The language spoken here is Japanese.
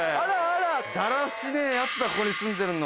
だらしねえヤツだ